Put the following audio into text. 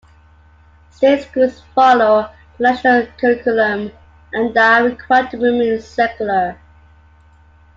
State schools follow the national curriculum, and are required to remain secular.